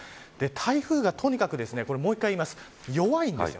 台風が、とにかくもう１回言います。